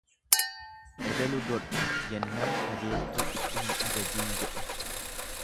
Ebelu dondha jennaan kajeeltuu itti hin ajajiin jedhe.